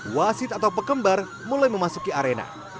wasit atau pekembar mulai memasuki arena